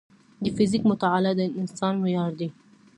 د فزیک مطالعه د انسان ویاړ دی.